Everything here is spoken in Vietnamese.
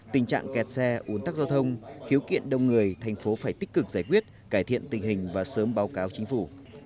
tình trạng kẹt xe ủn tắc giao thông khiếu kiện đông người thành phố phải tích cực giải quyết cải thiện tình hình và sớm báo cáo chính phủ